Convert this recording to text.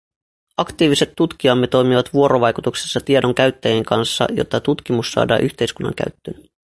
Aktiiviset tutkijamme toimivat vuorovaikutuksessa tiedon käyttäjien kanssa, jotta tutkimus saadaan yhteiskunnan käyttöön.